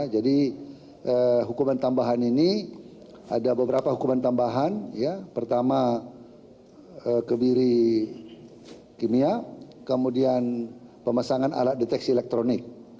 jadi hukuman tambahan ini ada beberapa hukuman tambahan pertama kebiri kimia kemudian pemasangan alat deteksi elektronik